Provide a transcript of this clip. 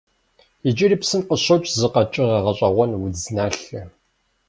Иджыри псым къыщокӀ зы къэкӀыгъэ гъэщӀэгъуэн - удзналъэ.